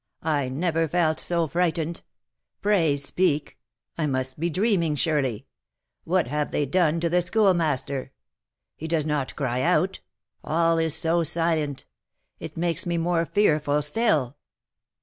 I never felt so frightened. Pray speak; I must be dreaming, surely. What have they done to the Schoolmaster? He does not cry out, all is so silent; it makes me more fearful still!"